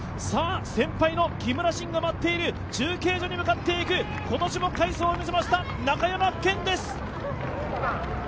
先輩の木村慎が待っている中継所に向かっていく、今年も快走を見せました中山顕です。